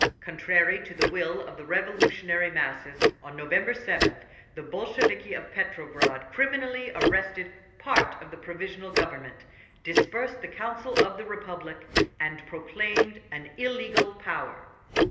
Contrary to the will of the revolutionary masses, on November 7th the Bolsheviki of Petrograd criminally arrested part of the Provisional Government, dispersed the Council of the Republic, and proclaimed an illegal power.